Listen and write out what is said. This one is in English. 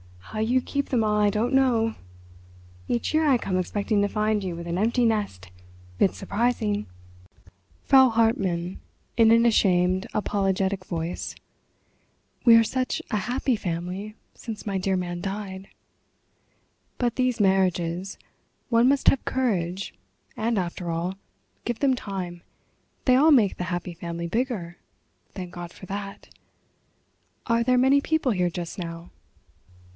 How you keep them all I don't know. Each year I come expecting to find you with an empty nest. It's surprising." Frau Hartmann, in an ashamed, apologetic voice: "We are such a happy family since my dear man died." "But these marriages—one must have courage; and after all, give them time, they all make the happy family bigger—thank God for that.... Are there many people here just now?"